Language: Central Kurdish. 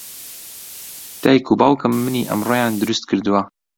دایک و باوکم منی ئەمڕۆیان دروست کردووە.